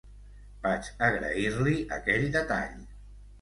Vaig agrair-li aquell detall.